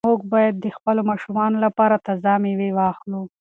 موږ باید د خپلو ماشومانو لپاره تازه مېوې واخلو.